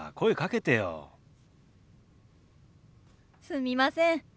すみません。